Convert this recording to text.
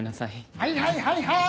はいはいはいはい！